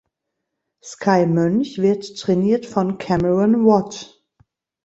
Skye Moench wird trainiert von "Cameron Watt".